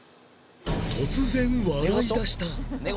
突然笑い出した